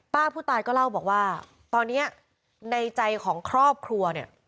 ผู้ตายก็เล่าบอกว่าตอนนี้ในใจของครอบครัวเนี่ย